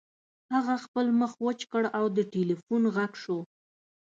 هغه خپل مخ وچ کړ او د ټیلیفون غږ شو